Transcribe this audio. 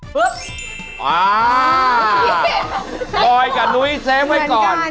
ปลอยการุ๊ยเซฟให้ก่อน